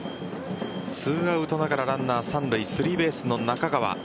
２アウトながらランナー三塁スリーベースの中川。